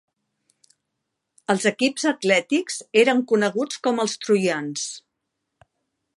Els equips atlètics eren coneguts com els troians.